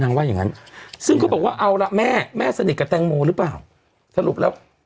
ว่าอย่างงั้นซึ่งเขาบอกว่าเอาละแม่แม่สนิทกับแตงโมหรือเปล่าสรุปแล้ว